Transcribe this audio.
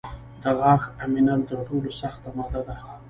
د غاښ امینل تر ټولو سخته ماده ده.